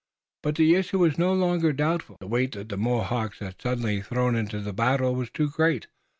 But the issue was no longer doubtful. The weight that the Mohawks had suddenly thrown into the battle was too great.